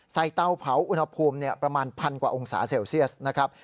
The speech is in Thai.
เตาเผาอุณหภูมิประมาณพันกว่าองศาเซลเซียสนะครับ